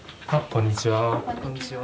こんにちは。